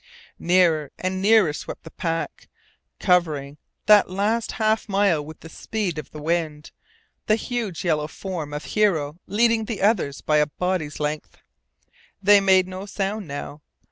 Nearer and nearer swept the pack, covering that last half mile with the speed of the wind, the huge yellow form of Hero leading the others by a body's length. They made no sound now.